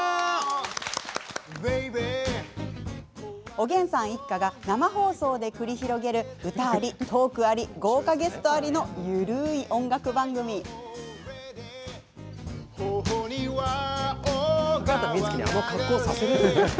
おげんさん一家が生放送で繰り広げる、歌ありトークあり、豪華ゲストありのゆるい音楽番組です。